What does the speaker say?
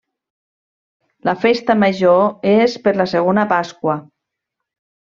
La festa major és per la segona Pasqua.